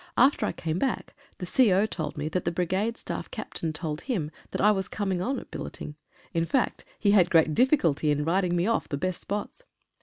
After I came back the CO. told me that the Brigade Staff Cap tain told him that I was coming on at billeting — in fact, he had great difficulty in riding me off the best spots.